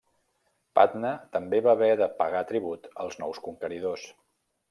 Patna també va haver de pagar tribut als nous conqueridors.